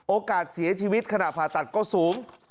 เสียชีวิตขณะผ่าตัดก็สูง